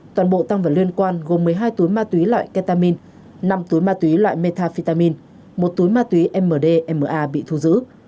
toàn bộ tăng vật liên quan gồm một mươi hai túi ma túy loại ketamine năm túi ma túy loại metafetamin một túi ma túy mdma bị thu giữ